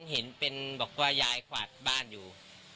เห็นเป็นบอกว่ายายกวาดบ้านอยู่